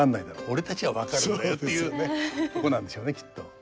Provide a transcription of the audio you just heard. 俺たちは分かるんだよ」っていうねとこなんでしょうねきっと。